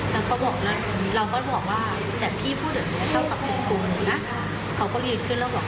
แล้วก็คือตำรวจก็เลยถาม